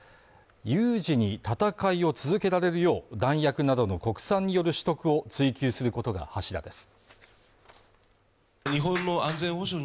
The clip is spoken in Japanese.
有事に戦いを続けられるよう弾薬などの国産による取得を追求することが柱です。